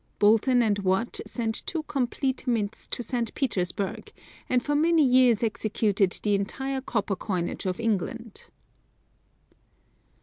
Boulton & Watt sent two complete mints to St. Petersburg, and for many years executed the entire copper coinage of England.